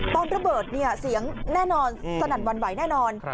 ตอนระเบิดเนี่ยเสียงแน่นอนสนั่นวันไหวแน่นอน